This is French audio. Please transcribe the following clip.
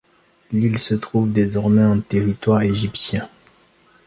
L'île se trouve désormais en territoire égyptien.